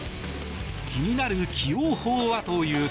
気になる起用法はというと。